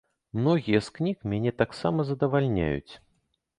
Многія з кніг мяне таксама задавальняюць.